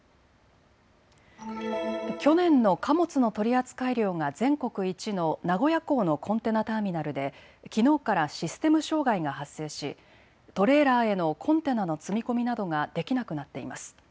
去年の貨物の取扱量が全国一の名古屋港のコンテナターミナルできのうからシステム障害が発生しトレーラーへのコンテナの積み込みなどができなくなっています。